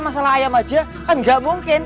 masalah ayam aja kan nggak mungkin